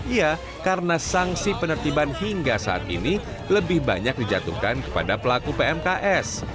ya karena sanksi penertiban hingga saat ini lebih banyak dijatuhkan kepada pelaku pmks